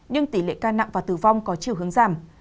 nhưng tỷ lệ ca nặng và tử vong có chiều hướng giảm